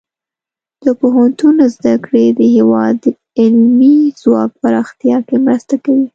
د پوهنتون زده کړې د هیواد د علمي ځواک پراختیا کې مرسته کوي.